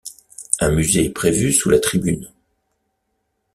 Un musée est prévu sous la tribune.